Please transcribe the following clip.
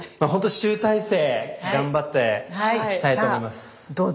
ほんと集大成頑張っていきたいと思います。